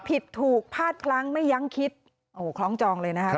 ผิดถูกพลาดพลั้งไม่ยั้งคิดโอ้โหคล้องจองเลยนะครับ